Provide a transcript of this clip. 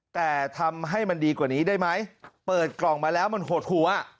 แต่ทำให้มันดีกว่านี้ได้ไหมเปิดกล่องมาแล้วมันหดหัว